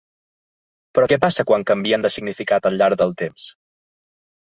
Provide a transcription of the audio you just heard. Però què passa quan canvien de significat al llarg del temps?